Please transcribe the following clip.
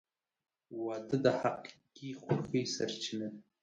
• واده د حقیقي خوښۍ سرچینه ده.